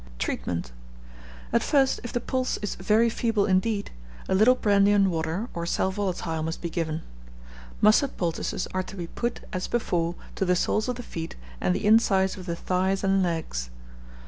Treatment. At first, if the pulse is very feeble indeed, a little brandy and water or sal volatile must be given. Mustard poultices are to be put, as before, to the soles of the foot and the insides of the thighs and legs.